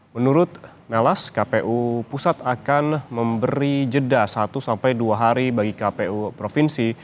menurut melas kpu pusat akan memberi jeda satu sampai dua hari bagi kpu provinsi